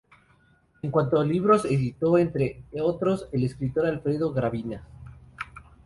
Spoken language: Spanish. En cuanto a libros, editó, entre otros, al escritor Alfredo Gravina.